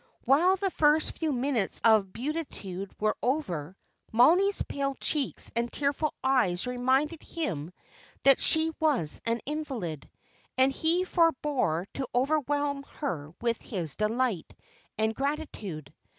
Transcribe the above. When the first few minutes of beatitude were over, Mollie's pale cheeks and tearful eyes reminded him that she was an invalid, and he forbore to overwhelm her with his delight and gratitude.